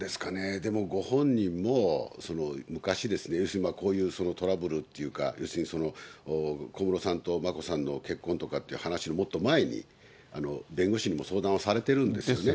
でもご本人も昔、要するに、こういうトラブルっていうか、要するに小室さんと眞子さんの結婚とかっていう話のもっと前に、弁護士にも相談をされてるんですよね。